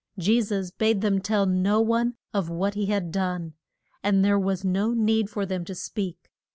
Je sus bade them tell no one of what he had done, and there was no need for them to speak.